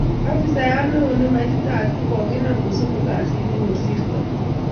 Afisayat neo nemaititaat kokikinam ko somok kasiit ne kosirtoi.